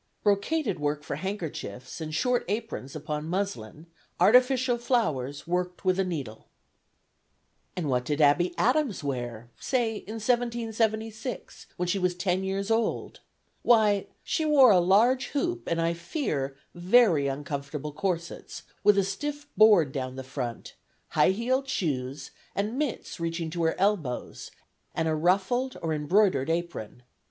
Brocaded work for Handkerchiefs and short Aprons upon Muslin; artificial Flowers work'd with a needle." And what did Abby Adams wear, say in 1776, when she was ten years old? Why, she wore a large hoop, and, I fear, very uncomfortable corsets, with a stiff board down the front; high heeled shoes, and mitts reaching to her elbows, and a ruffled or embroidered apron.